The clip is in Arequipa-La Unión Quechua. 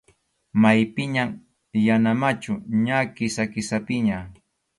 Maypiñam yana machu, ña Kisa-Kisapiña.